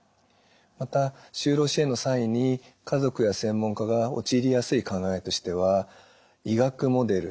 また就労支援の際に家族や専門家が陥りやすい考えとしては医学モデル